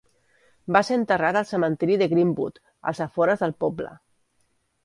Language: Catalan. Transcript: Va ser enterrat al cementiri de Greenwood als afores del poble.